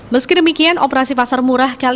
meskidemikian operasi pasar murah ini tidak terjadi